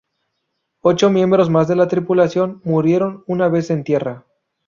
Ocho miembros más de la tripulación murieron una vez en tierra.